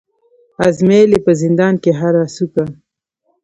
آزمېیل یې په زندان کي هره څوکه